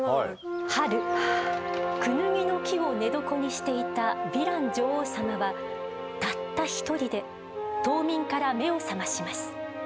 春クヌギの木を寝床にしていたヴィラン女王様はたった一人で冬眠から目を覚まします。